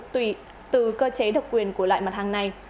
tùy từ cơ chế độc quyền của loại mặt hàng này